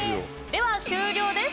では、終了です。